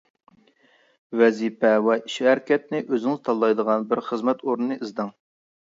ۋەزىپە ۋە ئىش-ھەرىكەتنى ئۆزىڭىز تاللايدىغان بىر خىزمەت ئورنىنى ئىزدەڭ.